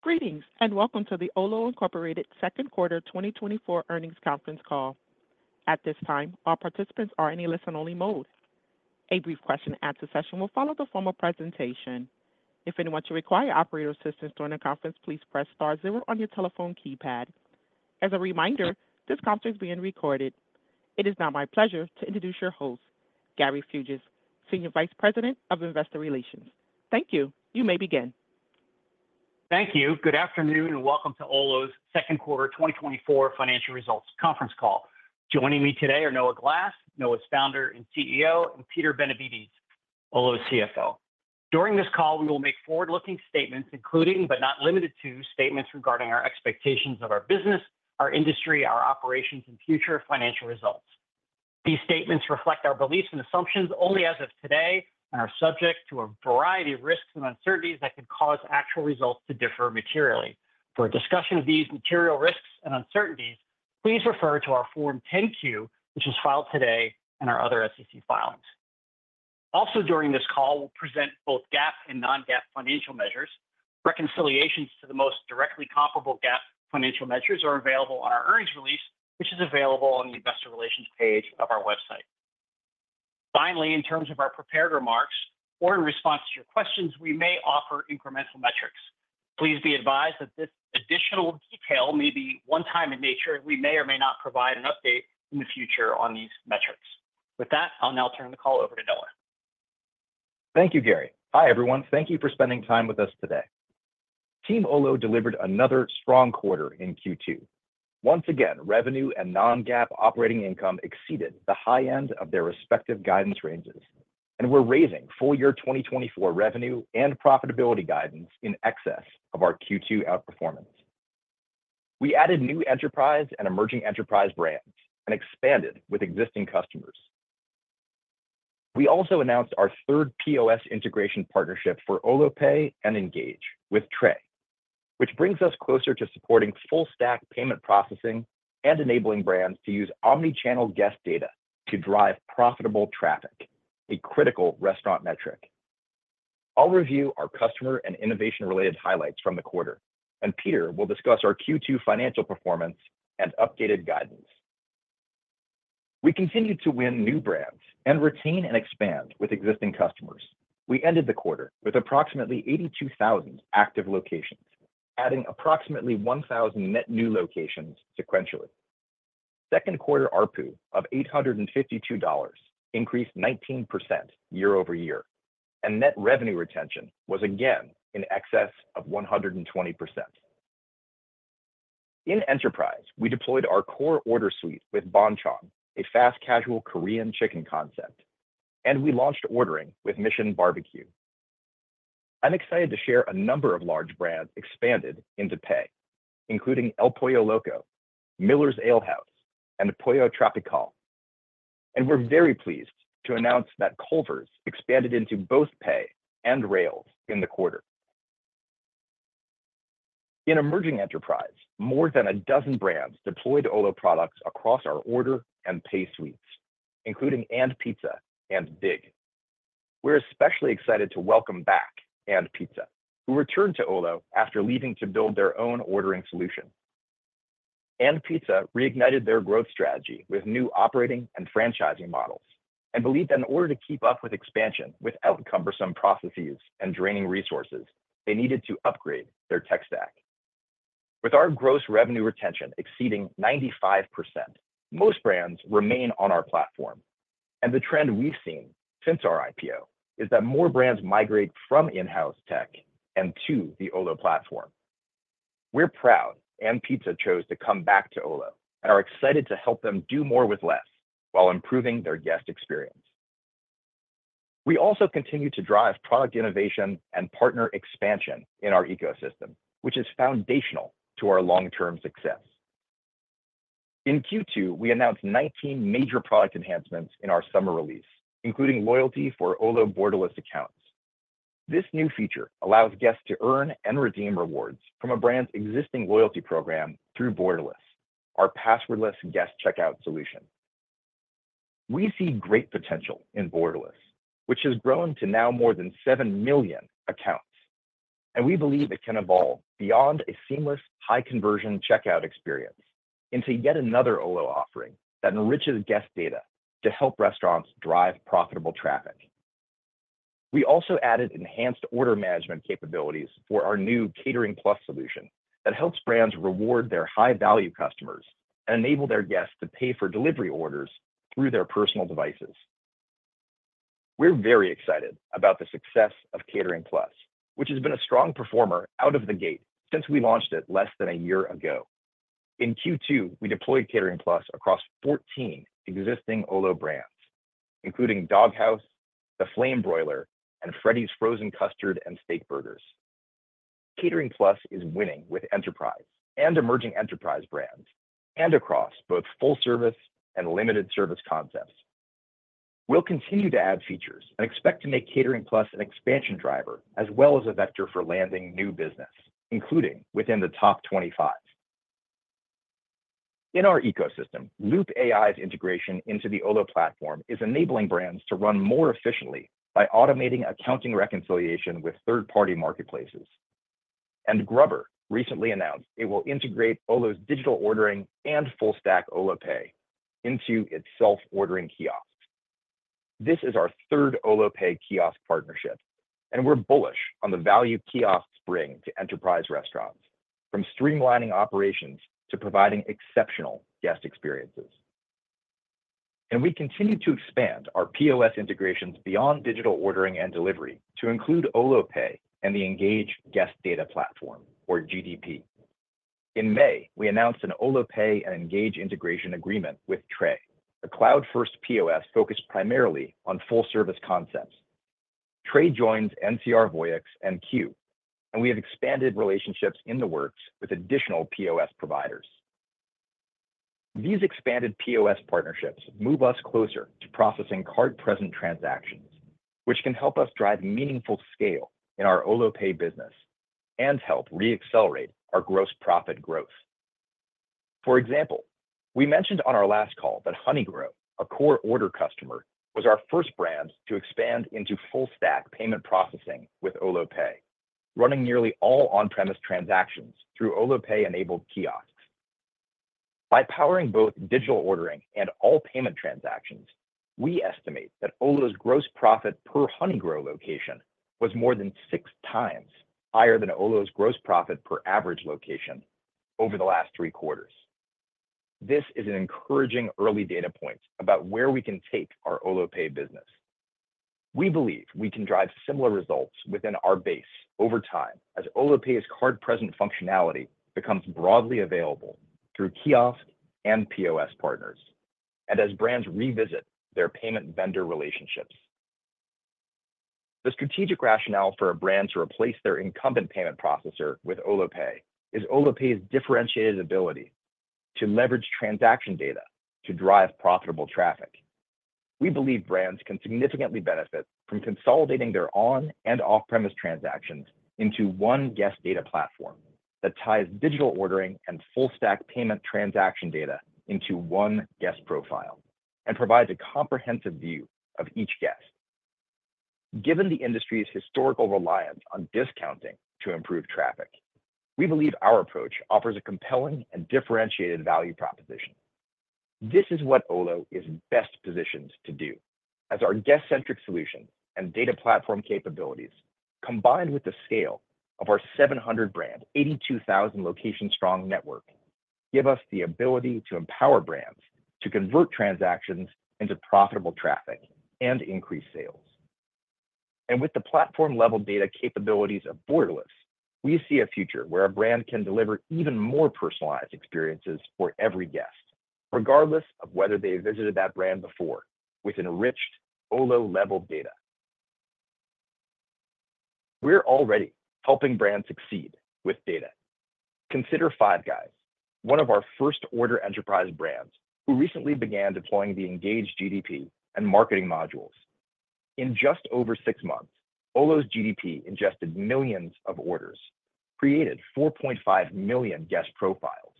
Greetings and welcome to the Olo Incorporated Second Quarter 2024 Earnings Conference Call. At this time, all participants are in a listen-only mode. A brief question-and-answer session will follow the formal presentation. If anyone should require operator assistance during the conference, please press star zero on your telephone keypad. As a reminder, this conference is being recorded. It is now my pleasure to introduce your host, Gary Fuges, Senior Vice President of Investor Relations. Thank you. You may begin. Thank you. Good afternoon and welcome to Olo's Second Quarter 2024 Financial Results Conference Call. Joining me today are Noah Glass, our founder and CEO, and Peter Benevides, Olo's CFO. During this call, we will make forward-looking statements, including but not limited to statements regarding our expectations of our business, our industry, our operations, and future financial results. These statements reflect our beliefs and assumptions only as of today and are subject to a variety of risks and uncertainties that could cause actual results to differ materially. For a discussion of these material risks and uncertainties, please refer to our Form 10-Q, which was filed today, and our other SEC filings. Also, during this call, we'll present both GAAP and non-GAAP financial measures. Reconciliations to the most directly comparable GAAP financial measures are available on our earnings release, which is available on the Investor Relations page of our website. Finally, in terms of our prepared remarks or in response to your questions, we may offer incremental metrics. Please be advised that this additional detail may be one-time in nature, and we may or may not provide an update in the future on these metrics. With that, I'll now turn the call over to Noah. Thank you, Gary. Hi, everyone. Thank you for spending time with us today. Team Olo delivered another strong quarter in Q2. Once again, revenue and non-GAAP operating income exceeded the high end of their respective guidance ranges, and we're raising full-year 2024 revenue and profitability guidance in excess of our Q2 outperformance. We added new enterprise and emerging enterprise brands and expanded with existing customers. We also announced our third POS integration partnership for Olo Pay and Engage with TRAY, which brings us closer to supporting full-stack payment processing and enabling brands to use omnichannel guest data to drive profitable traffic, a critical restaurant metric. I'll review our customer and innovation-related highlights from the quarter, and Peter will discuss our Q2 financial performance and updated guidance. We continue to win new brands and retain and expand with existing customers. We ended the quarter with approximately 82,000 active locations, adding approximately 1,000 net new locations sequentially. Second quarter ARPU of $852 increased 19% year-over-year, and net revenue retention was again in excess of 120%. In enterprise, we deployed our core order suite with Bonchon, a fast casual Korean chicken concept, and we launched ordering with Mission BBQ. I'm excited to share a number of large brands expanded into Pay, including El Pollo Loco, Miller's Ale House, and Pollo Tropical, and we're very pleased to announce that Culver's expanded into both Pay and Rails in the quarter. In emerging enterprise, more than a dozen brands deployed Olo products across our order and pay suites, including & pizza and BIG. We're especially excited to welcome back &pizza, who returned to Olo after leaving to build their own ordering solution. &pizza reignited their growth strategy with new operating and franchising models and believed that in order to keep up with expansion without cumbersome processes and draining resources, they needed to upgrade their tech stack. With our gross revenue retention exceeding 95%, most brands remain on our platform, and the trend we've seen since our IPO is that more brands migrate from in-house tech and to the Olo platform. We're proud &pizza chose to come back to Olo and are excited to help them do more with less while improving their guest experience. We also continue to drive product innovation and partner expansion in our ecosystem, which is foundational to our long-term success. In Q2, we announced 19 major product enhancements in our summer release, including loyalty for Olo Borderless accounts. This new feature allows guests to earn and redeem rewards from a brand's existing loyalty program through Borderless, our passwordless guest checkout solution. We see great potential in Borderless, which has grown to now more than 7 million accounts, and we believe it can evolve beyond a seamless high-conversion checkout experience into yet another Olo offering that enriches guest data to help restaurants drive profitable traffic. We also added enhanced order management capabilities for our new Catering+ solution that helps brands reward their high-value customers and enable their guests to pay for delivery orders through their personal devices. We're very excited about the success of Catering+, which has been a strong performer out of the gate since we launched it less than a year ago. In Q2, we deployed Catering+ across 14 existing Olo brands, including Dog Haus, The Flame Broiler, and Freddy's Frozen Custard and Steakburgers. Catering+ is winning with enterprise and emerging enterprise brands and across both full-service and limited-service concepts. We'll continue to add features and expect to make Catering+ an expansion driver as well as a vector for landing new business, including within the top 25. In our ecosystem, Loop's integration into the Olo platform is enabling brands to run more efficiently by automating accounting reconciliation with third-party marketplaces, and GRUBBR recently announced it will integrate Olo's digital ordering and full-stack Olo Pay into its self-ordering kiosks. This is our third Olo Pay kiosk partnership, and we're bullish on the value kiosks bring to enterprise restaurants, from streamlining operations to providing exceptional guest experiences. We continue to expand our POS integrations beyond digital ordering and delivery to include Olo Pay and the Engage Guest Data Platform, or GDP. In May, we announced an Olo Pay and Engage integration agreement with TRAY, a cloud-first POS focused primarily on full-service concepts. TRAY joins NCR Voyix and Qu, and we have expanded relationships in the works with additional POS providers. These expanded POS partnerships move us closer to processing card-present transactions, which can help us drive meaningful scale in our Olo Pay business and help re-accelerate our gross profit growth. For example, we mentioned on our last call that Honeygrow, a core order customer, was our first brand to expand into full-stack payment processing with Olo Pay, running nearly all on-premise transactions through Olo Pay-enabled kiosks. By powering both digital ordering and all payment transactions, we estimate that Olo's gross profit per Honeygrow location was more than six times higher than Olo's gross profit per average location over the last three quarters. This is an encouraging early data point about where we can take our Olo Pay business. We believe we can drive similar results within our base over time as Olo Pay's card-present functionality becomes broadly available through kiosk and POS partners and as brands revisit their payment vendor relationships. The strategic rationale for a brand to replace their incumbent payment processor with Olo Pay is Olo Pay's differentiated ability to leverage transaction data to drive profitable traffic. We believe brands can significantly benefit from consolidating their on- and off-premise transactions into one guest data platform that ties digital ordering and full-stack payment transaction data into one guest profile and provides a comprehensive view of each guest. Given the industry's historical reliance on discounting to improve traffic, we believe our approach offers a compelling and differentiated value proposition. This is what Olo is best positioned to do, as our guest-centric solutions and data platform capabilities, combined with the scale of our 700-brand, 82,000-location-strong network, give us the ability to empower brands to convert transactions into profitable traffic and increase sales. And with the platform-level data capabilities of Borderless, we see a future where a brand can deliver even more personalized experiences for every guest, regardless of whether they visited that brand before, with enriched Olo-level data. We're already helping brands succeed with data. Consider Five Guys, one of our first-order enterprise brands who recently began deploying the Engage GDP and marketing modules. In just over six months, Olo's GDP ingested millions of orders, created 4.5 million guest profiles,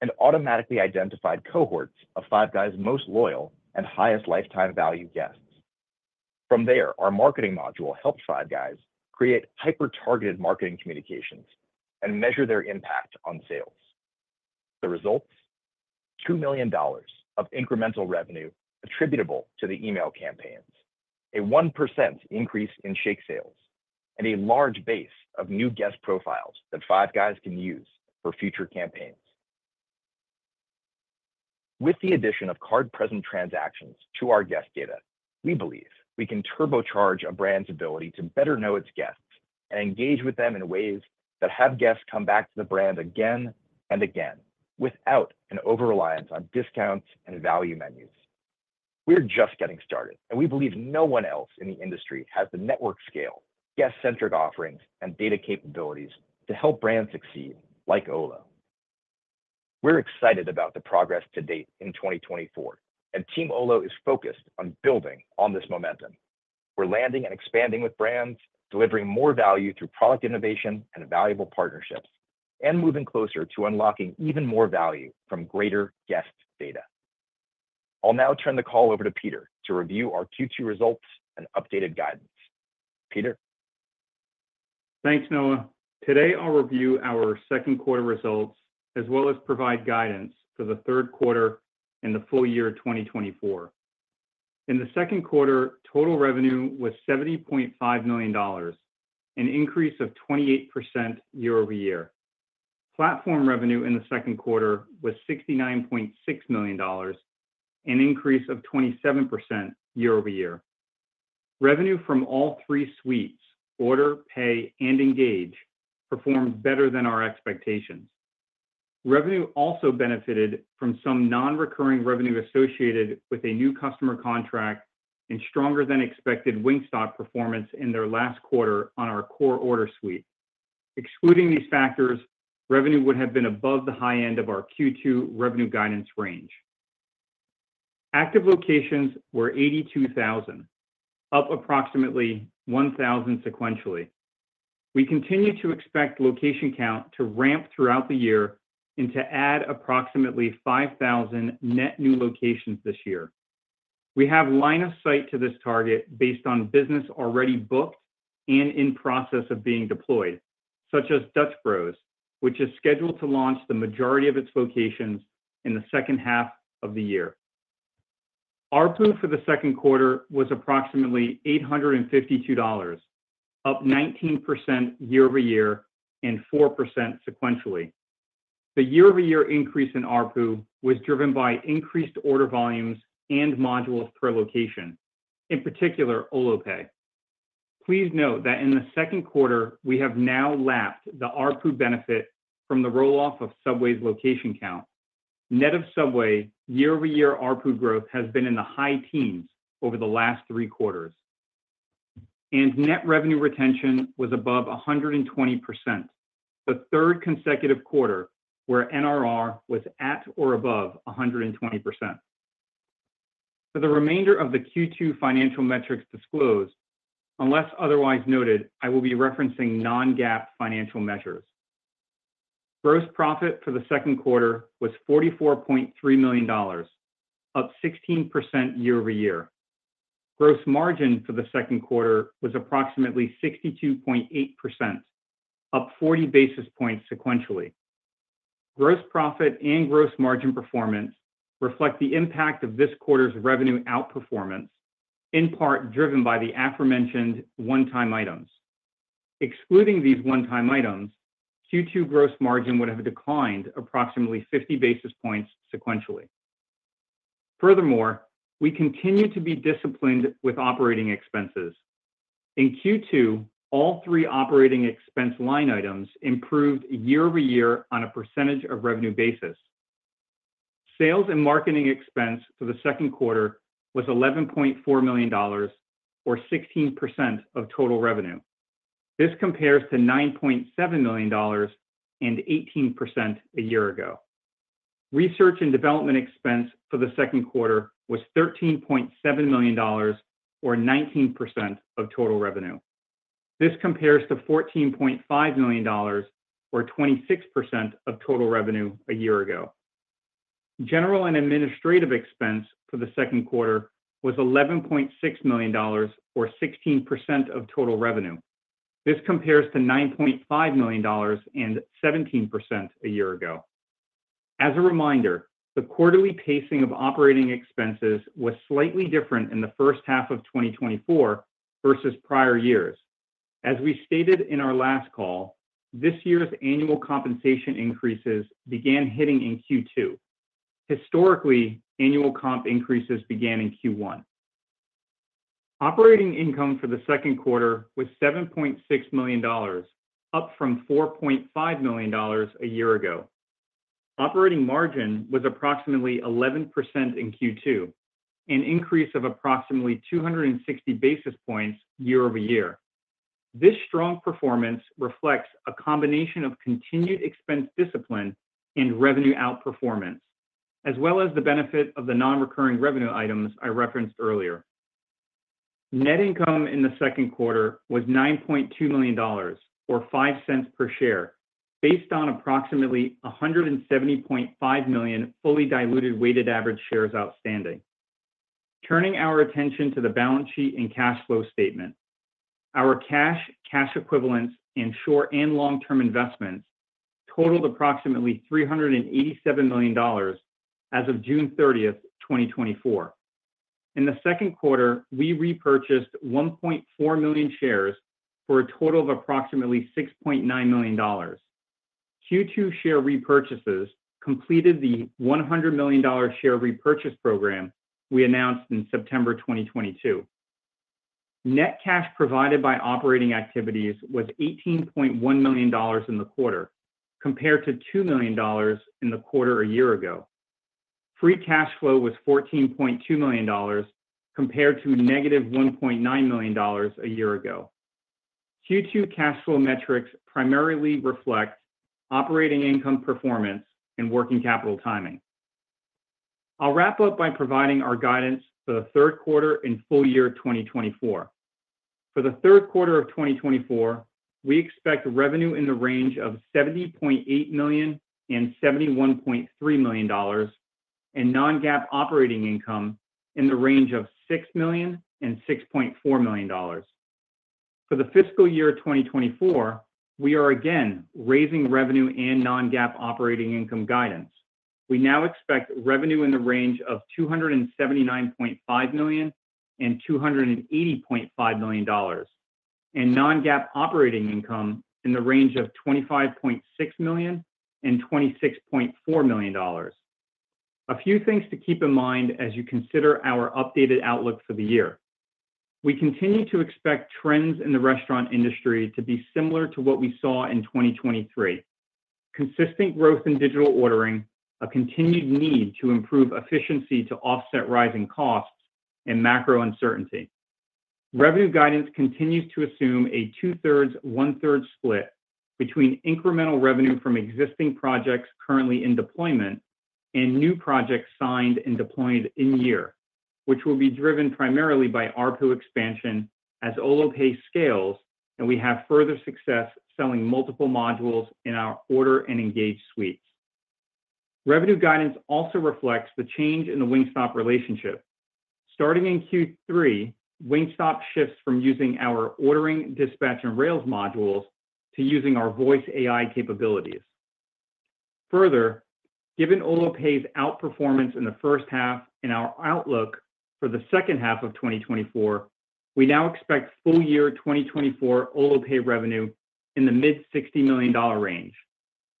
and automatically identified cohorts of Five Guys' most loyal and highest lifetime value guests. From there, our marketing module helped Five Guys create hyper-targeted marketing communications and measure their impact on sales. The results? $2 million of incremental revenue attributable to the email campaigns, a 1% increase in shake sales, and a large base of new guest profiles that Five Guys can use for future campaigns. With the addition of card-present transactions to our guest data, we believe we can turbocharge a brand's ability to better know its guests and engage with them in ways that have guests come back to the brand again and again without an over-reliance on discounts and value menus. We're just getting started, and we believe no one else in the industry has the network scale, guest-centric offerings, and data capabilities to help brands succeed like Olo. We're excited about the progress to date in 2024, and Team Olo is focused on building on this momentum. We're landing and expanding with brands, delivering more value through product innovation and valuable partnerships, and moving closer to unlocking even more value from greater guest data. I'll now turn the call over to Peter to review our Q2 results and updated guidance. Peter? Thanks, Noah. Today, I'll review our second quarter results as well as provide guidance for the third quarter and the full year 2024. In the second quarter, total revenue was $70.5 million, an increase of 28% year-over-year. Platform revenue in the second quarter was $69.6 million, an increase of 27% year-over-year. Revenue from all three suites, Order, Pay, and Engage, performed better than our expectations. Revenue also benefited from some non-recurring revenue associated with a new customer contract and stronger-than-expected Wingstop performance in their last quarter on our core order suite. Excluding these factors, revenue would have been above the high end of our Q2 revenue guidance range. Active locations were 82,000, up approximately 1,000 sequentially. We continue to expect location count to ramp throughout the year and to add approximately 5,000 net new locations this year. We have line of sight to this target based on business already booked and in process of being deployed, such as Dutch Bros, which is scheduled to launch the majority of its locations in the second half of the year. ARPU for the second quarter was approximately $852, up 19% year-over-year and 4% sequentially. The year-over-year increase in ARPU was driven by increased order volumes and modules per location, in particular Olo Pay. Please note that in the second quarter, we have now lapped the ARPU benefit from the roll-off of Subway's location count. Net of Subway, year-over-year ARPU growth has been in the high teens over the last three quarters, and net revenue retention was above 120%, the third consecutive quarter where NRR was at or above 120%. For the remainder of the Q2 financial metrics disclosed, unless otherwise noted, I will be referencing non-GAAP financial measures. Gross profit for the second quarter was $44.3 million, up 16% year-over-year. Gross margin for the second quarter was approximately 62.8%, up 40 basis points sequentially. Gross profit and gross margin performance reflect the impact of this quarter's revenue outperformance, in part driven by the aforementioned one-time items. Excluding these one-time items, Q2 gross margin would have declined approximately 50 basis points sequentially. Furthermore, we continue to be disciplined with operating expenses. In Q2, all three operating expense line items improved year-over-year on a percentage of revenue basis. Sales and marketing expense for the second quarter was $11.4 million, or 16% of total revenue. This compares to $9.7 million and 18% a year ago. Research and development expense for the second quarter was $13.7 million, or 19% of total revenue. This compares to $14.5 million, or 26% of total revenue a year ago. General and administrative expense for the second quarter was $11.6 million, or 16% of total revenue. This compares to $9.5 million and 17% a year ago. As a reminder, the quarterly pacing of operating expenses was slightly different in the first half of 2024 versus prior years. As we stated in our last call, this year's annual compensation increases began hitting in Q2. Historically, annual comp increases began in Q1. Operating income for the second quarter was $7.6 million, up from $4.5 million a year ago. Operating margin was approximately 11% in Q2, an increase of approximately 260 basis points year-over-year. This strong performance reflects a combination of continued expense discipline and revenue outperformance, as well as the benefit of the non-recurring revenue items I referenced earlier. Net income in the second quarter was $9.2 million, or $0.05 per share, based on approximately 170.5 million fully diluted weighted average shares outstanding. Turning our attention to the balance sheet and cash flow statement, our cash, cash equivalents, and short and long-term investments totaled approximately $387 million as of June 30, 2024. In the second quarter, we repurchased 1.4 million shares for a total of approximately $6.9 million. Q2 share repurchases completed the $100 million share repurchase program we announced in September 2022. Net cash provided by operating activities was $18.1 million in the quarter, compared to $2 million in the quarter a year ago. Free cash flow was $14.2 million, compared to -$1.9 million a year ago. Q2 cash flow metrics primarily reflect operating income performance and working capital timing. I'll wrap up by providing our guidance for the third quarter and full year 2024. For the third quarter of 2024, we expect revenue in the range of $70.8 million-$71.3 million and non-GAAP operating income in the range of $6 million-$6.4 million. For the fiscal year 2024, we are again raising revenue and non-GAAP operating income guidance. We now expect revenue in the range of $279.5 million-$280.5 million and non-GAAP operating income in the range of $25.6 million-$26.4 million. A few things to keep in mind as you consider our updated outlook for the year. We continue to expect trends in the restaurant industry to be similar to what we saw in 2023: consistent growth in digital ordering, a continued need to improve efficiency to offset rising costs, and macro uncertainty. Revenue guidance continues to assume a two-thirds, one-third split between incremental revenue from existing projects currently in deployment and new projects signed and deployed in year, which will be driven primarily by ARPU expansion as Olo Pay scales and we have further success selling multiple modules in our Order and Engage suites. Revenue guidance also reflects the change in the Wingstop relationship. Starting in Q3, Wingstop shifts from using our ordering, dispatch, and rails modules to using our Voice AI capabilities. Further, given Olo Pay's outperformance in the first half and our outlook for the second half of 2024, we now expect full year 2024 Olo Pay revenue in the mid-$60 million range.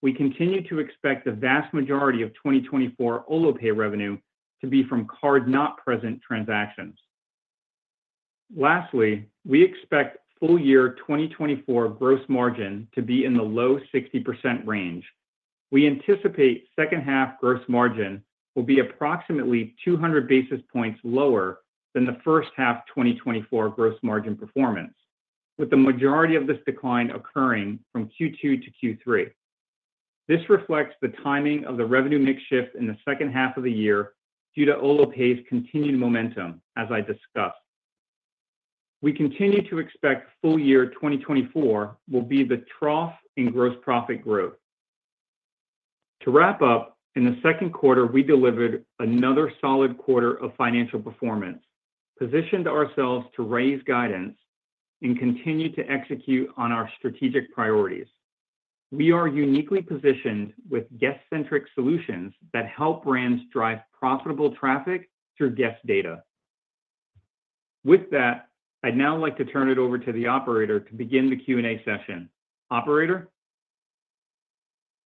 We continue to expect the vast majority of 2024 Olo Pay revenue to be from card-not-present transactions. Lastly, we expect full year 2024 gross margin to be in the low 60% range. We anticipate second half gross margin will be approximately 200 basis points lower than the first half 2024 gross margin performance, with the majority of this decline occurring from Q2 to Q3. This reflects the timing of the revenue mix shift in the second half of the year due to Olo Pay's continued momentum, as I discussed. We continue to expect full year 2024 will be the trough in gross profit growth. To wrap up, in the second quarter, we delivered another solid quarter of financial performance, positioned ourselves to raise guidance, and continue to execute on our strategic priorities. We are uniquely positioned with guest-centric solutions that help brands drive profitable traffic through guest data. With that, I'd now like to turn it over to the operator to begin the Q&A session. Operator?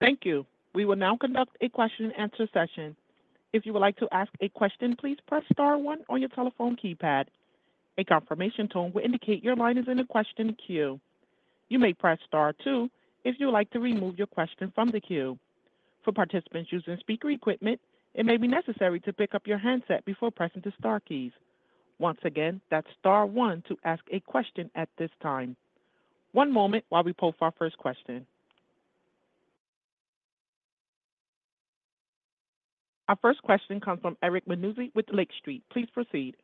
Thank you. We will now conduct a question-and-answer session. If you would like to ask a question, please press Star 1 on your telephone keypad. A confirmation tone will indicate your line is in a question queue. You may press Star 2 if you would like to remove your question from the queue. For participants using speaker equipment, it may be necessary to pick up your handset before pressing the Star keys. Once again, that's Star 1 to ask a question at this time. One moment while we post our first question. Our first question comes from Eric Martinuzzi with Lake Street Capital Markets. Please proceed.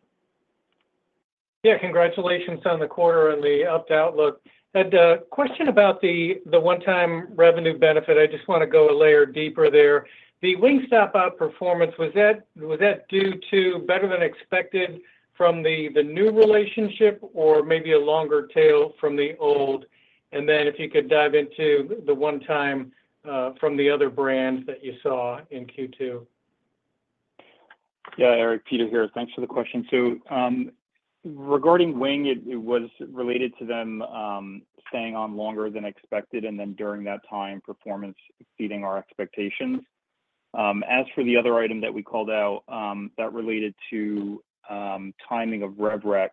Yeah, congratulations on the quarter and the up to outlook. Had a question about the one-time revenue benefit. I just want to go a layer deeper there. The Wingstop outperformance, was that due to better than expected from the new relationship or maybe a longer tail from the old? And then if you could dive into the one-time from the other brands that you saw in Q2. Yeah, Eric, Peter here. Thanks for the question. So regarding Wing, it was related to them staying on longer than expected and then during that time, performance exceeding our expectations. As for the other item that we called out, that related to timing of RevRec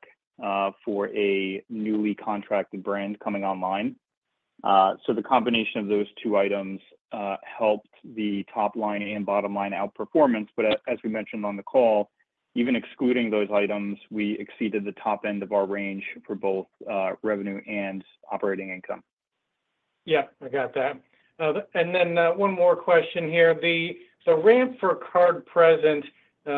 for a newly contracted brand coming online. So the combination of those two items helped the top line and bottom line outperformance. But as we mentioned on the call, even excluding those items, we exceeded the top end of our range for both revenue and operating income. Yeah, I got that. And then one more question here. The ramp for card present,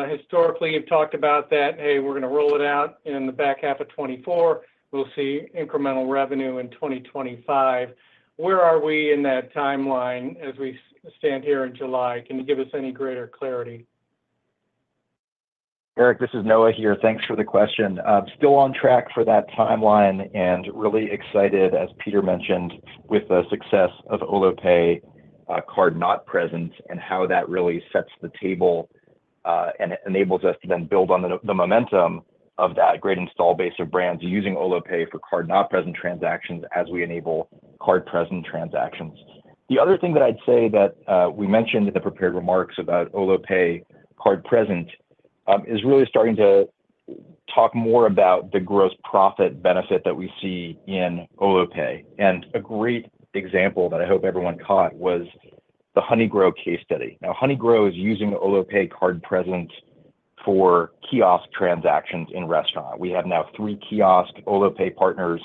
historically, you've talked about that, "Hey, we're going to roll it out in the back half of 2024. We'll see incremental revenue in 2025." Where are we in that timeline as we stand here in July? Can you give us any greater clarity? Eric, this is Noah here. Thanks for the question. Still on track for that timeline and really excited, as Peter mentioned, with the success of Olo Pay card not present and how that really sets the table and enables us to then build on the momentum of that great install base of brands using Olo Pay for card not present transactions as we enable card present transactions. The other thing that I'd say that we mentioned in the prepared remarks about Olo Pay card present is really starting to talk more about the gross profit benefit that we see in Olo Pay. And a great example that I hope everyone caught was the Honeygrow case study. Now, Honeygrow is using Olo Pay card present for kiosk transactions in restaurants. We have now three kiosk Olo Pay partners.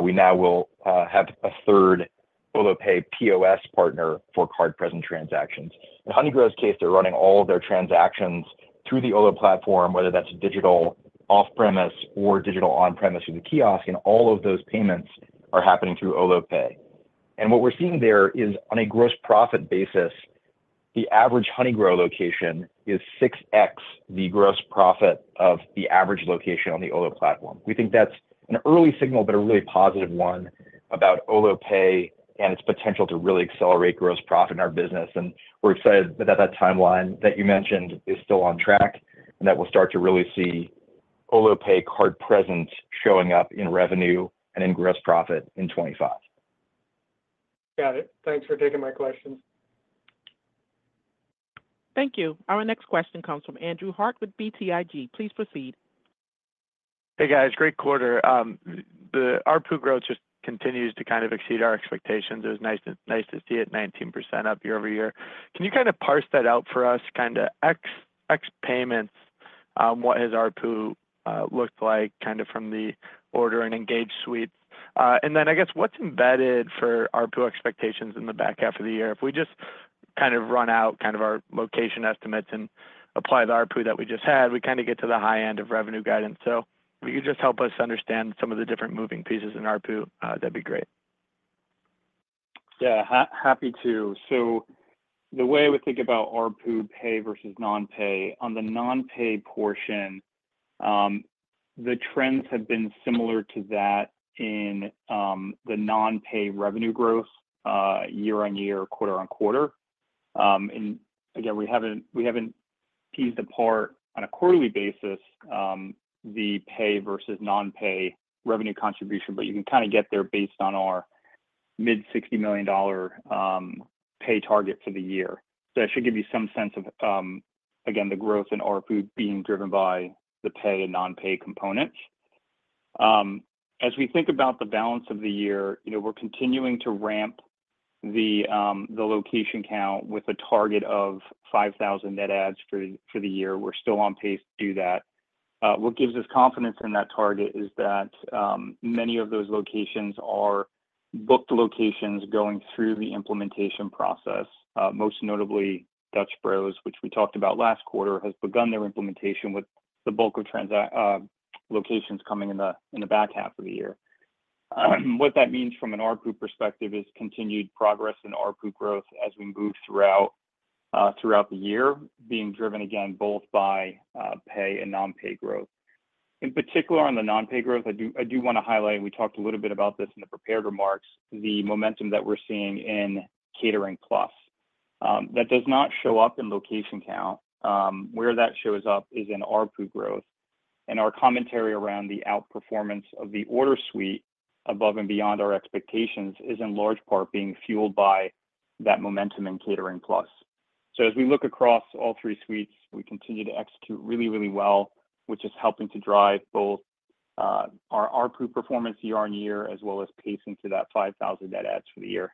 We now will have a third Olo Pay POS partner for card present transactions. In Honeygrow's case, they're running all of their transactions through the Olo platform, whether that's digital off-premise or digital on-premise for the kiosk, and all of those payments are happening through Olo Pay. What we're seeing there is, on a gross profit basis, the average Honeygrow location is 6x the gross profit of the average location on the Olo platform. We think that's an early signal, but a really positive one about Olo Pay and its potential to really accelerate gross profit in our business. We're excited that that timeline that you mentioned is still on track and that we'll start to really see Olo Pay card present showing up in revenue and in gross profit in 2025. Got it. Thanks for taking my questions. Thank you. Our next question comes from Andrew Harte with BTIG. Please proceed. Hey, guys. Great quarter. The ARPU growth just continues to kind of exceed our expectations. It was nice to see it 19% up year-over-year. Can you kind of parse that out for us? Kind of ex payments, what has ARPU looked like kind of from the Order and Engage suites? And then I guess what's embedded for ARPU expectations in the back half of the year? If we just kind of run out kind of our location estimates and apply the ARPU that we just had, we kind of get to the high end of revenue guidance. So if you could just help us understand some of the different moving pieces in ARPU, that'd be great. Yeah, happy to. So the way we think about ARPU pay versus non-pay, on the non-pay portion, the trends have been similar to that in the non-pay revenue growth year-on-year, quarter-on-quarter. And again, we haven't teased apart on a quarterly basis the pay versus non-pay revenue contribution, but you can kind of get there based on our mid-$60 million pay target for the year. So that should give you some sense of, again, the growth in ARPU being driven by the pay and non-pay components. As we think about the balance of the year, we're continuing to ramp the location count with a target of 5,000 net adds for the year. We're still on pace to do that. What gives us confidence in that target is that many of those locations are booked locations going through the implementation process, most notably Dutch Bros, which we talked about last quarter, has begun their implementation with the bulk of locations coming in the back half of the year. What that means from an ARPU perspective is continued progress in ARPU growth as we move throughout the year, being driven again both by pay and non-pay growth. In particular, on the non-pay growth, I do want to highlight, and we talked a little bit about this in the prepared remarks, the momentum that we're seeing in Catering+. That does not show up in location count. Where that shows up is in ARPU growth. And our commentary around the outperformance of the order suite above and beyond our expectations is in large part being fueled by that momentum in Catering+. So as we look across all three suites, we continue to execute really, really well, which is helping to drive both our ARPU performance year-on-year as well as pacing to that 5,000 net adds for the year.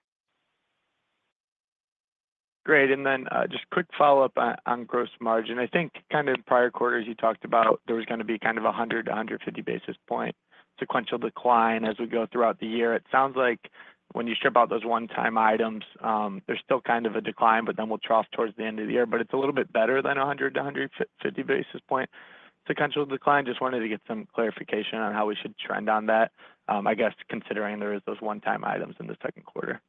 Great. And then just quick follow-up on gross margin. I think kind of in prior quarters, you talked about there was going to be kind of a 100-150 basis point sequential decline as we go throughout the year. It sounds like when you strip out those one-time items, there's still kind of a decline, but then we'll trough towards the end of the year, but it's a little bit better than a 100-150 basis point sequential decline. Just wanted to get some clarification on how we should trend on that, I guess, considering there are those one-time items in the second quarter.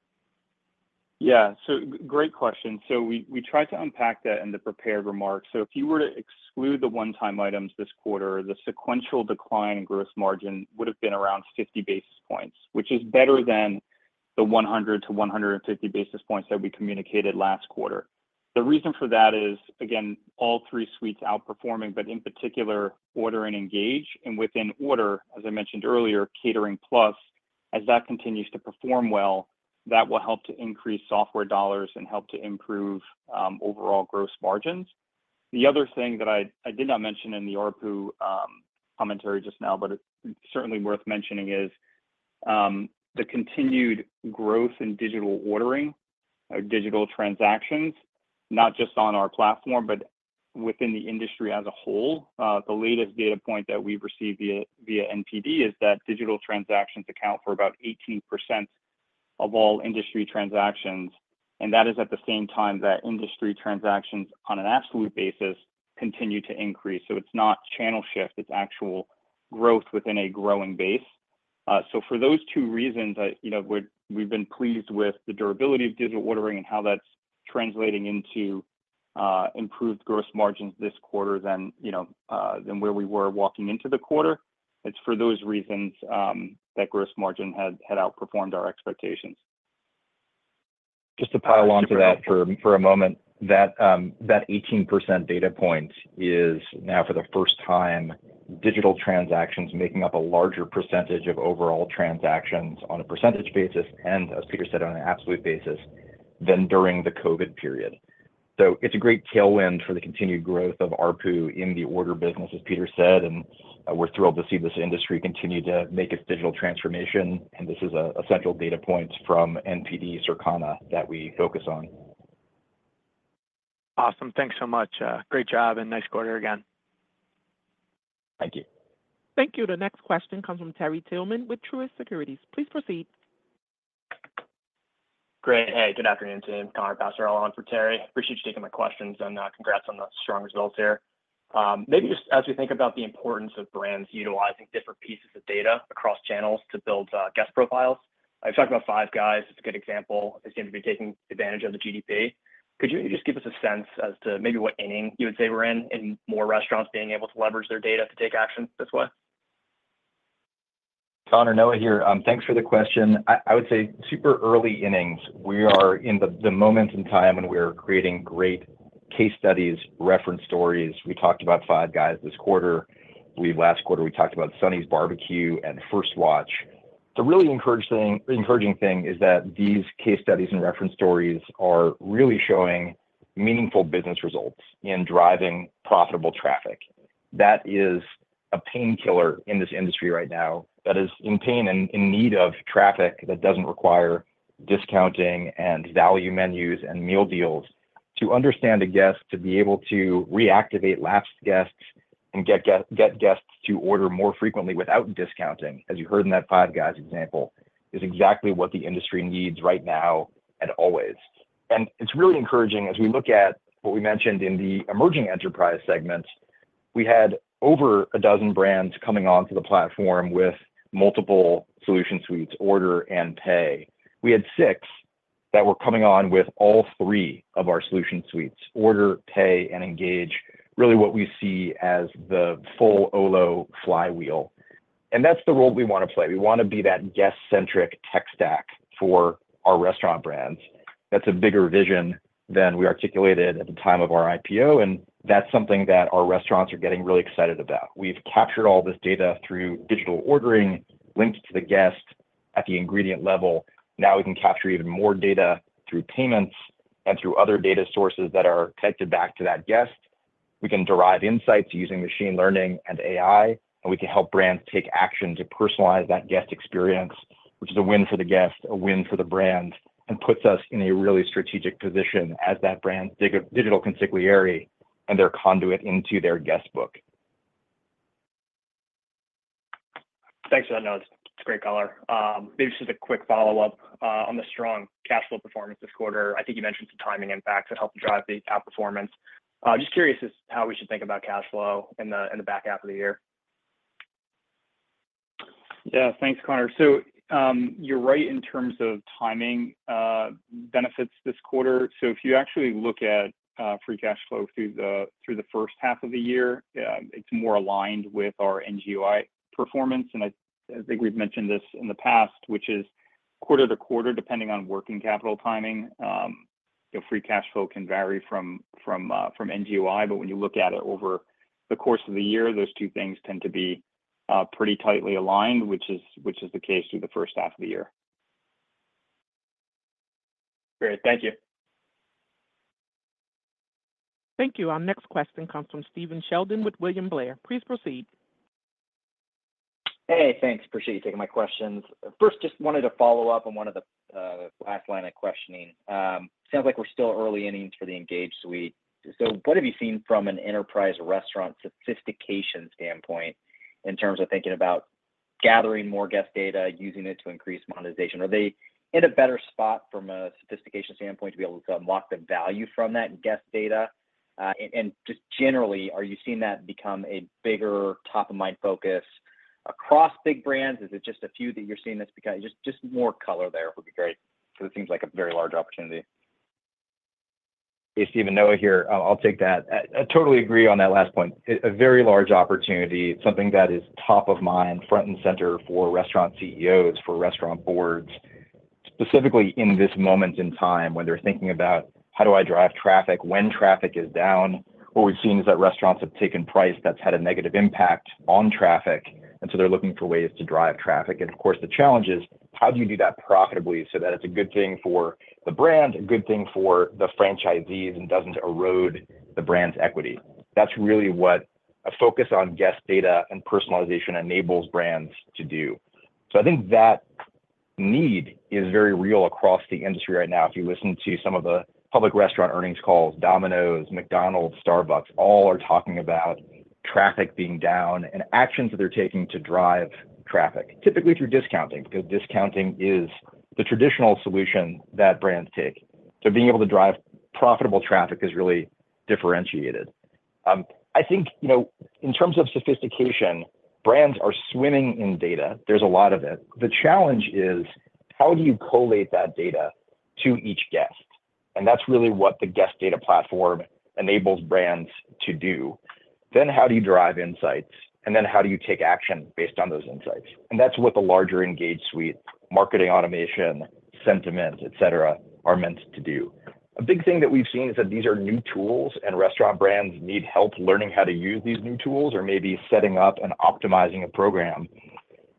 Yeah. So great question. So we tried to unpack that in the prepared remarks. So if you were to exclude the one-time items this quarter, the sequential decline in gross margin would have been around 50 basis points, which is better than the 100-150 basis points that we communicated last quarter. The reason for that is, again, all three suites outperforming, but in particular, Order and Engage. And within Order, as I mentioned earlier, Catering+, as that continues to perform well, that will help to increase software dollars and help to improve overall gross margins. The other thing that I did not mention in the ARPU commentary just now, but it's certainly worth mentioning, is the continued growth in digital ordering, digital transactions, not just on our platform, but within the industry as a whole. The latest data point that we've received via NPD is that digital transactions account for about 18% of all industry transactions. That is at the same time that industry transactions on an absolute basis continue to increase. It's not channel shift. It's actual growth within a growing base. For those two reasons, we've been pleased with the durability of digital ordering and how that's translating into improved gross margins this quarter than where we were walking into the quarter. It's for those reasons that gross margin had outperformed our expectations. Just to pile onto that for a moment, that 18% data point is now, for the first time, digital transactions making up a larger percentage of overall transactions on a percentage basis and, as Peter said, on an absolute basis than during the COVID period. So it's a great tailwind for the continued growth of ARPU in the order business, as Peter said. We're thrilled to see this industry continue to make its digital transformation. This is a central data point from Circana that we focus on. Awesome. Thanks so much. Great job and nice quarter again. Thank you. Thank you. The next question comes from Terry Tillman with Truist Securities. Please proceed. Great. Hey, good afternoon, Tim, Connor Passarella on for Terry. Appreciate you taking my questions and congrats on the strong results here. Maybe just as we think about the importance of brands utilizing different pieces of data across channels to build guest profiles, I've talked about Five Guys as a good example. They seem to be taking advantage of the GDP. Could you just give us a sense as to maybe what inning you would say we're in in more restaurants being able to leverage their data to take action this way? Connor, Noah here. Thanks for the question. I would say super early innings. We are in the moment in time when we are creating great case studies, reference stories. We talked about Five Guys this quarter. Last quarter, we talked about Sonny's BBQ and First Watch. The really encouraging thing is that these case studies and reference stories are really showing meaningful business results in driving profitable traffic. That is a painkiller in this industry right now that is in pain and in need of traffic that doesn't require discounting and value menus and meal deals to understand a guest, to be able to reactivate last guests and get guests to order more frequently without discounting, as you heard in that Five Guys example, is exactly what the industry needs right now and always. And it's really encouraging as we look at what we mentioned in the emerging enterprise segment. We had over a dozen brands coming onto the platform with multiple solution suites, order and pay. We had six that were coming on with all three of our solution suites, order, pay, and engage, really what we see as the full Olo flywheel. That's the role we want to play. We want to be that guest-centric tech stack for our restaurant brands. That's a bigger vision than we articulated at the time of our IPO. That's something that our restaurants are getting really excited about. We've captured all this data through digital ordering linked to the guest at the ingredient level. Now we can capture even more data through payments and through other data sources that are connected back to that guest. We can derive insights using machine learning and AI, and we can help brands take action to personalize that guest experience, which is a win for the guest, a win for the brand, and puts us in a really strategic position as that brand's digital consigliere and their conduit into their guestbook. Thanks for that note. It's great color. Maybe just a quick follow-up on the strong cash flow performance this quarter. I think you mentioned some timing impacts that helped to drive the outperformance. Just curious as to how we should think about cash flow in the back half of the year. Yeah. Thanks, Connor. So you're right in terms of timing benefits this quarter. So if you actually look at free cash flow through the first half of the year, it's more aligned with our NGOI performance. And I think we've mentioned this in the past, which is quarter to quarter, depending on working capital timing, free cash flow can vary from NGOI. But when you look at it over the course of the year, those two things tend to be pretty tightly aligned, which is the case through the first half of the year. Great. Thank you. Thank you. Our next question comes from Steven Sheldon with William Blair. Please proceed. Hey, thanks. Appreciate you taking my questions. First, just wanted to follow up on one of the last line of questioning. Sounds like we're still early innings for the Engage suite. So what have you seen from an enterprise restaurant sophistication standpoint in terms of thinking about gathering more guest data, using it to increase monetization? Are they in a better spot from a sophistication standpoint to be able to unlock the value from that guest data? And just generally, are you seeing that become a bigger top-of-mind focus across big brands? Is it just a few that you're seeing this become? Just more color there would be great because it seems like a very large opportunity. Hey, it's Noah here. I'll take that. I totally agree on that last point. A very large opportunity, something that is top of mind, front and center for restaurant CEOs, for restaurant boards, specifically in this moment in time when they're thinking about how do I drive traffic when traffic is down? What we've seen is that restaurants have taken price that's had a negative impact on traffic. And so they're looking for ways to drive traffic. And of course, the challenge is how do you do that profitably so that it's a good thing for the brand, a good thing for the franchisees, and doesn't erode the brand's equity? That's really what a focus on guest data and personalization enables brands to do. So I think that need is very real across the industry right now. If you listen to some of the public restaurant earnings calls, Domino's, McDonald's, Starbucks, all are talking about traffic being down and actions that they're taking to drive traffic, typically through discounting because discounting is the traditional solution that brands take. So being able to drive profitable traffic is really differentiated. I think in terms of sophistication, brands are swimming in data. There's a lot of it. The challenge is how do you collate that data to each guest? And that's really what the Guest Data Platform enables brands to do. Then how do you drive insights? And then how do you take action based on those insights? And that's what the larger Engage suite, marketing automation, sentiment, etc., are meant to do. A big thing that we've seen is that these are new tools and restaurant brands need help learning how to use these new tools or maybe setting up and optimizing a program.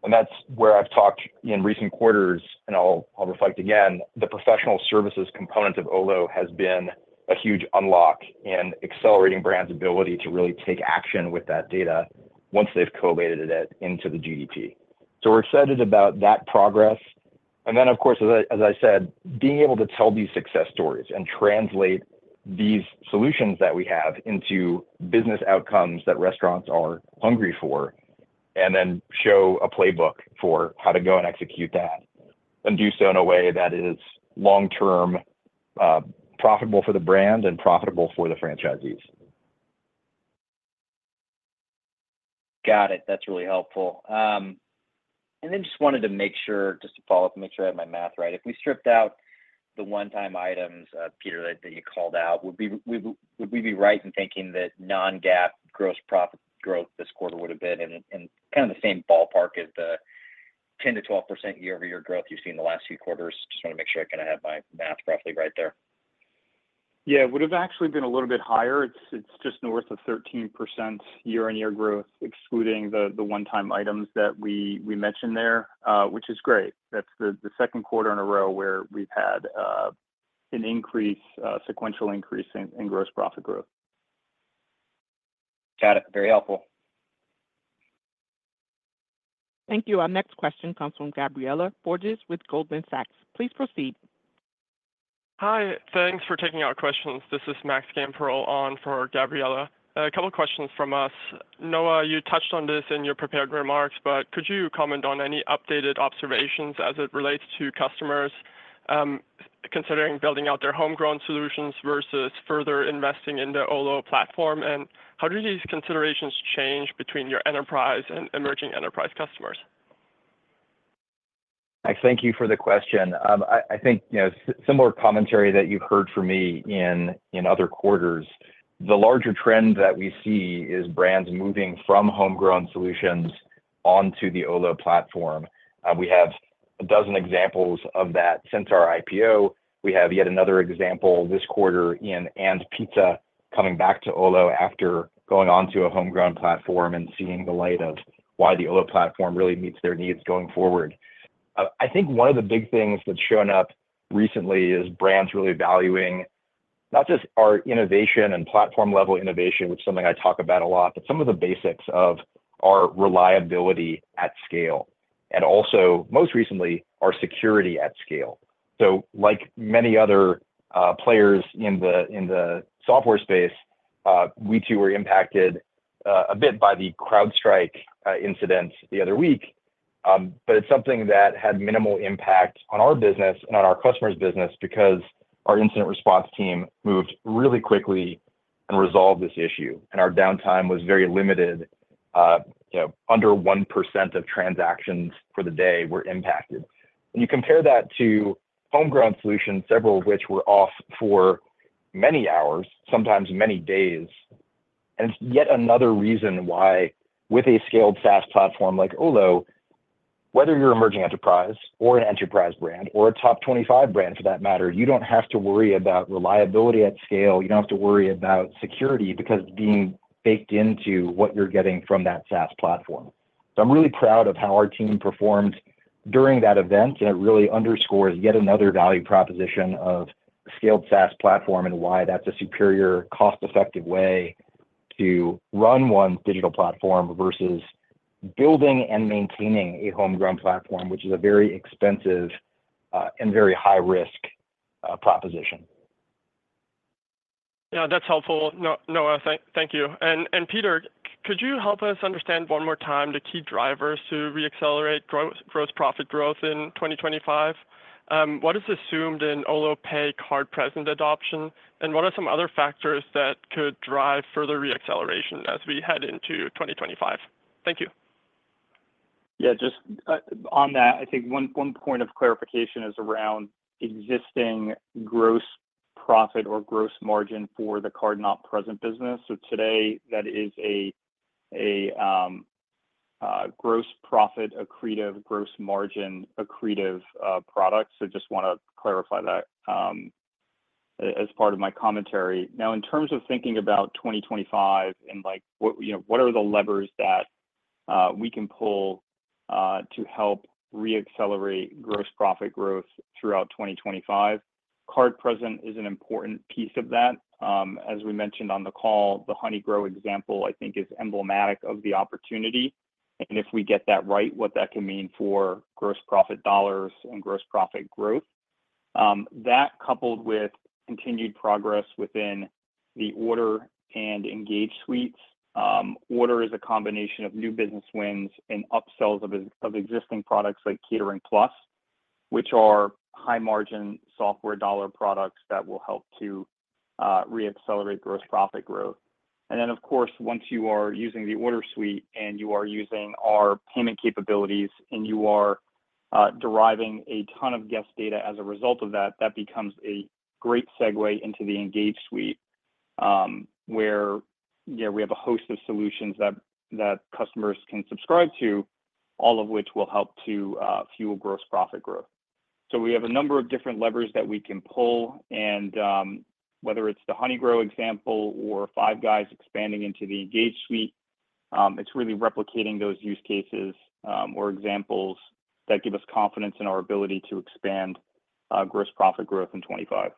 And that's where I've talked in recent quarters, and I'll reflect again, the professional services component of Olo has been a huge unlock in accelerating brands' ability to really take action with that data once they've collated it into the GDP. So we're excited about that progress. And then, of course, as I said, being able to tell these success stories and translate these solutions that we have into business outcomes that restaurants are hungry for and then show a playbook for how to go and execute that and do so in a way that is long-term profitable for the brand and profitable for the franchisees. Got it. That's really helpful. And then just wanted to make sure, just to follow up and make sure I have my math right. If we stripped out the one-time items, Peter, that you called out, would we be right in thinking that non-GAAP gross profit growth this quarter would have been in kind of the same ballpark as the 10%-12% year-over-year growth you've seen the last few quarters? Just want to make sure I kind of have my math roughly right there. Yeah. It would have actually been a little bit higher. It's just north of 13% year-on-year growth, excluding the one-time items that we mentioned there, which is great. That's the second quarter in a row where we've had an increase, sequential increase in gross profit growth. Got it. Very helpful. Thank you. Our next question comes from Gabriella Borges with Goldman Sachs. Please proceed. Hi. Thanks for taking our questions. This is Max Gamperl on for Gabriella. A couple of questions from us. Noah, you touched on this in your prepared remarks, but could you comment on any updated observations as it relates to customers considering building out their homegrown solutions versus further investing in the Olo platform? And how do these considerations change between your enterprise and emerging enterprise customers? Thank you for the question. I think similar commentary that you've heard from me in other quarters. The larger trend that we see is brands moving from homegrown solutions onto the Olo platform. We have a dozen examples of that since our IPO. We have yet another example this quarter in &pizza coming back to Olo after going on to a homegrown platform and seeing the light of why the Olo platform really meets their needs going forward. I think one of the big things that's shown up recently is brands really valuing not just our innovation and platform-level innovation, which is something I talk about a lot, but some of the basics of our reliability at scale. Also, most recently, our security at scale. Like many other players in the software space, we too were impacted a bit by the CrowdStrike incident the other week. But it's something that had minimal impact on our business and on our customers' business because our incident response team moved really quickly and resolved this issue. And our downtime was very limited. Under 1% of transactions for the day were impacted. When you compare that to homegrown solutions, several of which were off for many hours, sometimes many days, and it's yet another reason why with a scaled SaaS platform like Olo, whether you're an emerging enterprise or an enterprise brand or a top 25 brand for that matter, you don't have to worry about reliability at scale. You don't have to worry about security because being baked into what you're getting from that SaaS platform. So I'm really proud of how our team performed during that event. And it really underscores yet another value proposition of a scaled SaaS platform and why that's a superior cost-effective way to run one's digital platform versus building and maintaining a homegrown platform, which is a very expensive and very high-risk proposition. Yeah. That's helpful. Noah, thank you. And Peter, could you help us understand one more time the key drivers to reaccelerate gross profit growth in 2025? What is assumed in Olo Pay Card-Present adoption? And what are some other factors that could drive further reacceleration as we head into 2025? Thank you. Yeah. Just on that, I think one point of clarification is around existing gross profit or gross margin for the Card-Not-Present business. So today, that is a gross profit accretive gross margin accretive product. So just want to clarify that as part of my commentary. Now, in terms of thinking about 2025 and what are the levers that we can pull to help reaccelerate gross profit growth throughout 2025? Card-Present is an important piece of that. As we mentioned on the call, the Honeygrow example, I think, is emblematic of the opportunity. And if we get that right, what that can mean for gross profit dollars and gross profit growth. That, coupled with continued progress within the Order and Engage suites, Order is a combination of new business wins and upsells of existing products like Catering+, which are high-margin software dollar products that will help to reaccelerate gross profit growth. And then, of course, once you are using the Order suite and you are using our payment capabilities and you are deriving a ton of guest data as a result of that, that becomes a great segue into the Engage suite where we have a host of solutions that customers can subscribe to, all of which will help to fuel gross profit growth. So we have a number of different levers that we can pull. Whether it's the Honeygrow example or Five Guys expanding into the Engage suite, it's really replicating those use cases or examples that give us confidence in our ability to expand gross profit growth in 2025.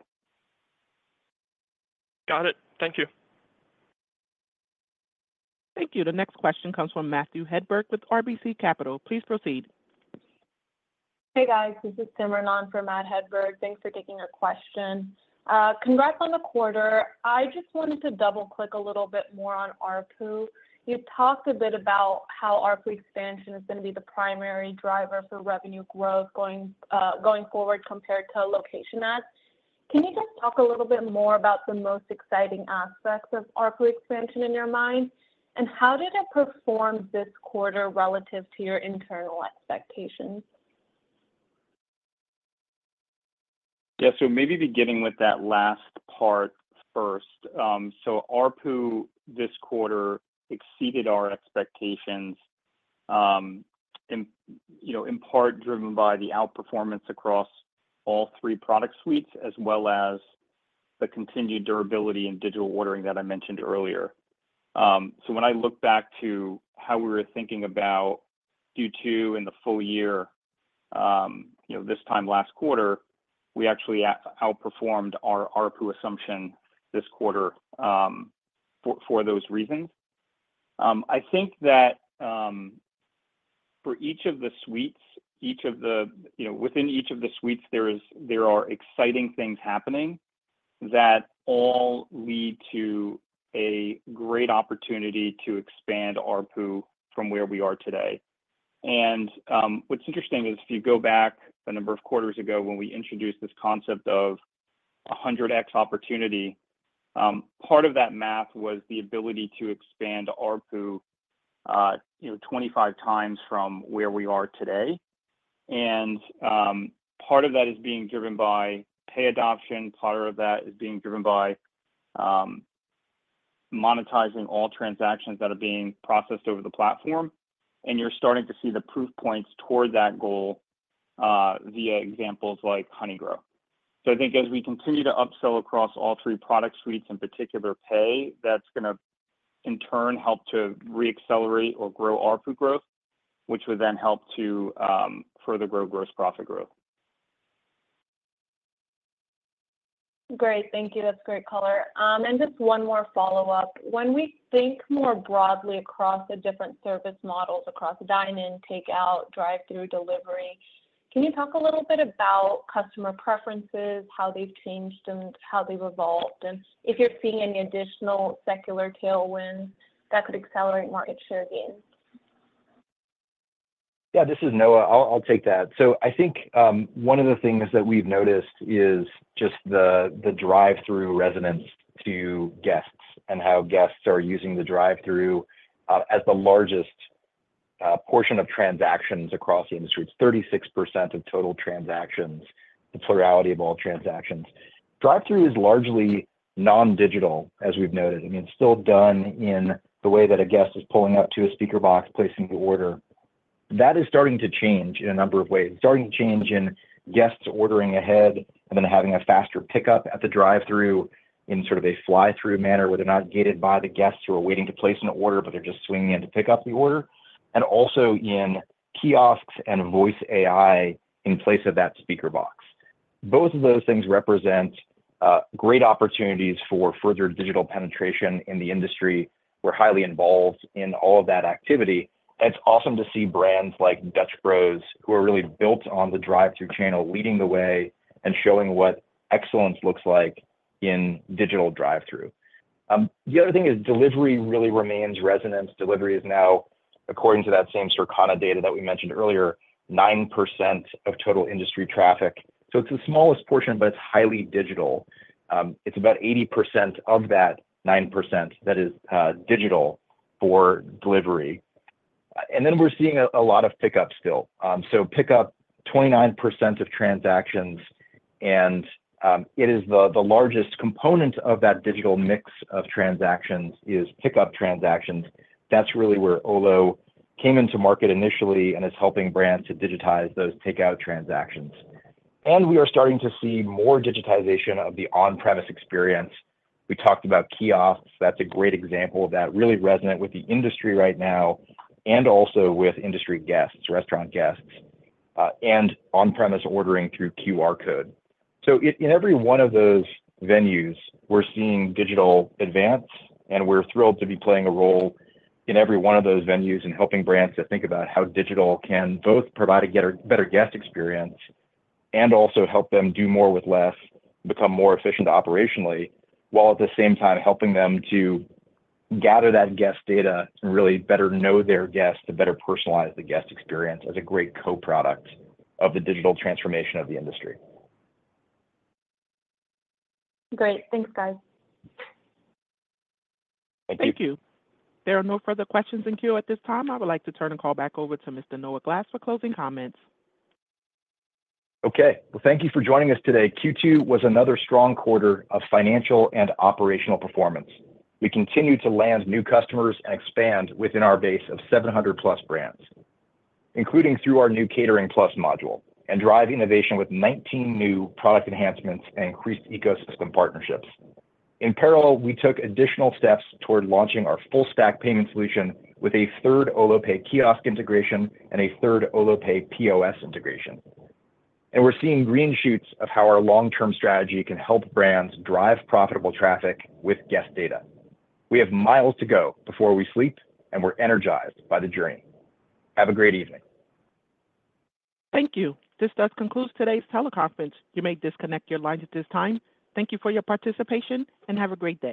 Got it. Thank you. Thank you. The next question comes from Matthew Hedberg with RBC Capital Markets. Please proceed. Hey, guys. This is Simran Biswal from Matthew Hedberg. Thanks for taking our question. Congrats on the quarter. I just wanted to double-click a little bit more on ARPU. You talked a bit about how ARPU expansion is going to be the primary driver for revenue growth going forward compared to a location add. Can you just talk a little bit more about the most exciting aspects of ARPU expansion in your mind? And how did it perform this quarter relative to your internal expectations? Yeah. So maybe beginning with that last part first. So ARPU this quarter exceeded our expectations in part driven by the outperformance across all three product suites as well as the continued durability and digital ordering that I mentioned earlier. So when I look back to how we were thinking about Q2 and the full year this time last quarter, we actually outperformed our ARPU assumption this quarter for those reasons. I think that for each of the suites, each of the within each of the suites, there are exciting things happening that all lead to a great opportunity to expand ARPU from where we are today. And what's interesting is if you go back a number of quarters ago when we introduced this concept of 100X opportunity, part of that math was the ability to expand ARPU 25x from where we are today. Part of that is being driven by pay adoption. Part of that is being driven by monetizing all transactions that are being processed over the platform. You're starting to see the proof points toward that goal via examples like Honeygrow. I think as we continue to upsell across all three product suites, in particular pay, that's going to in turn help to reaccelerate or grow ARPU growth, which would then help to further grow gross profit growth. Great. Thank you. That's great color. And just one more follow-up. When we think more broadly across the different service models across dine-in, takeout, drive-thru delivery, can you talk a little bit about customer preferences, how they've changed and how they've evolved? And if you're seeing any additional secular tailwinds that could accelerate market share gains? Yeah. This is Noah. I'll take that. So I think one of the things that we've noticed is just the drive-thru resonance to guests and how guests are using the drive-thru as the largest portion of transactions across the industry. It's 36% of total transactions, the plurality of all transactions. Drive-thru is largely non-digital, as we've noted. I mean, it's still done in the way that a guest is pulling up to a speaker box, placing the order. That is starting to change in a number of ways. It's starting to change in guests ordering ahead and then having a faster pickup at the drive-thru in sort of a fly-through manner where they're not gated by the guests who are waiting to place an order, but they're just swinging in to pick up the order. And also in kiosks and voice AI in place of that speaker box. Both of those things represent great opportunities for further digital penetration in the industry. We're highly involved in all of that activity. And it's awesome to see brands like Dutch Bros, who are really built on the drive-thru channel, leading the way and showing what excellence looks like in digital drive-thru. The other thing is delivery really remains resonant. Delivery is now, according to that same Circana data that we mentioned earlier, 9% of total industry traffic. So it's the smallest portion, but it's highly digital. It's about 80% of that 9% that is digital for delivery. And then we're seeing a lot of pickup still. So pickup, 29% of transactions. And it is the largest component of that digital mix of transactions is pickup transactions. That's really where Olo came into market initially and is helping brands to digitize those takeout transactions. We are starting to see more digitization of the on-premise experience. We talked about kiosks. That's a great example of that really resonant with the industry right now and also with industry guests, restaurant guests, and on-premise ordering through QR code. In every one of those venues, we're seeing digital advance. We're thrilled to be playing a role in every one of those venues and helping brands to think about how digital can both provide a better guest experience and also help them do more with less, become more efficient operationally, while at the same time helping them to gather that guest data and really better know their guests to better personalize the guest experience as a great co-product of the digital transformation of the industry. Great. Thanks, guys. Thank you. Thank you. There are no further questions in queue at this time. I would like to turn the call back over to Mr. Noah Glass for closing comments. Okay. Well, thank you for joining us today. Q2 was another strong quarter of financial and operational performance. We continued to land new customers and expand within our base of 700+ brands, including through our new Catering+ module, and drive innovation with 19 new product enhancements and increased ecosystem partnerships. In parallel, we took additional steps toward launching our full-stack payment solution with a third Olo Pay kiosk integration and a third Olo Pay POS integration. And we're seeing green shoots of how our long-term strategy can help brands drive profitable traffic with guest data. We have miles to go before we sleep, and we're energized by the journey. Have a great evening. Thank you. This does conclude today's teleconference. You may disconnect your lines at this time. Thank you for your participation and have a great day.